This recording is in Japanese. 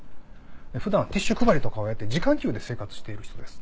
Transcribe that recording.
普段はティッシュ配りとかをやって時間給で生活している人です。